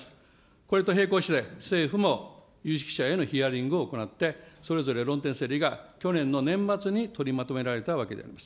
これと並行して、政府も有識者へのヒアリングを行って、それぞれ論点整理が、去年の年末に取りまとめられたわけであります。